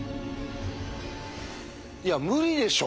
いや無理でしょ！